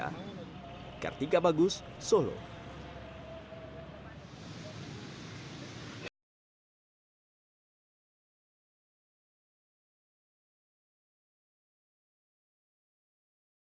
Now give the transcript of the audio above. burung burung itu akan kembali lagi ke sekitar perempatan panggung menjelang serangga